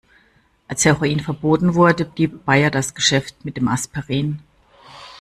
Als Heroin verboten wurde, blieb Bayer das Geschäft mit dem Aspirin.